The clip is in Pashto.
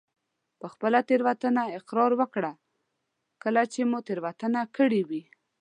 په خپله تېروتنه اقرار وکړه کله چې مو تېروتنه کړي وي.